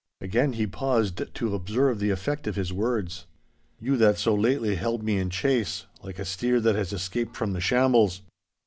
Again he pauses to observe the effect of his words. 'You that so lately held me in chase, like a steer that has escaped from the shambles.